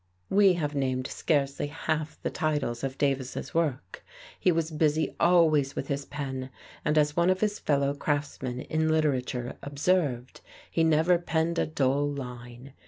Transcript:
We have named scarcely half the titles of Davis' work. He was busy always with his pen, and, as one of his fellow craftsmen in literature observed, he "never penned a dull line."